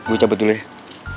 gue cabut dulu ya